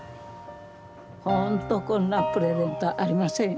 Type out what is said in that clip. ほんとこんなプレゼントありませんよ。